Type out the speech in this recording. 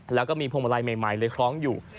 แล้วก็มีพวงมาลัยใหม่เลยคล้องอยู่